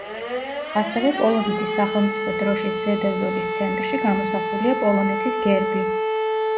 ასევე პოლონეთის სახელმწიფო დროშის ზედა ზოლის ცენტრში გამოსახულია პოლონეთის გერბი.